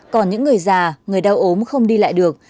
còn những người già người đau ốm không đi lại được